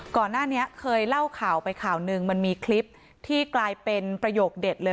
ก่อนหน้านี้เคยเล่าข่าวไปข่าวหนึ่งมันมีคลิปที่กลายเป็นประโยคเด็ดเลย